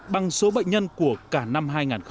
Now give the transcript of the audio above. bằng số bệnh nhân của cả năm hai nghìn một mươi chín